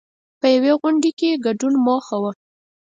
په یوې غونډې کې ګډون موخه وه.